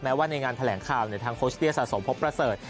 ว่าในงานแถลงข่าวทางโคชเตี้สะสมพบประเสริฐ